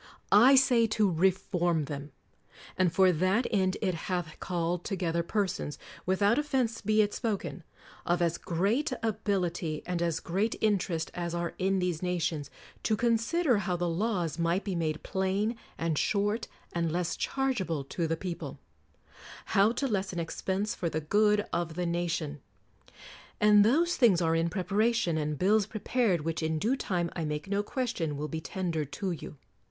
I say to re form them: and for that end it hath called to gether persons — without offense be it spoken — of as great ability and as great interest as are in these nations, to consider how the laws might be made plain and short and less chargeable to the people ; how to lessen expense for the good of the nation. And those things are in preparation, and bills prepared, which in due time, I make no question, will be tendered to you.